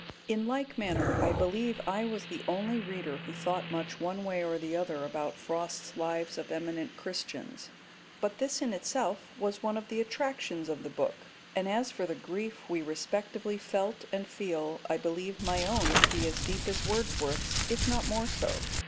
In like manner, I believe I was the only reader who thought much one way or the other about Frost's Lives of Eminent Christians, but this in itself was one of the attractions of the book; and as for the grief we respectively felt and feel, I believe my own to be as deep as Wordsworth's, if not more so.